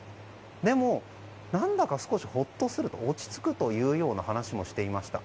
でも、なんだか少しホッとする落ち着くというような話もしていました。